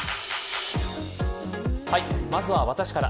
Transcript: まずは私から。